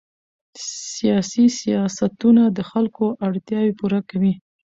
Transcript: سیاسي سیاستونه د خلکو اړتیاوې پوره کوي